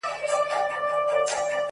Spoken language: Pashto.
ما د ایپي فقیر اورغوي کي کتلې اشنا-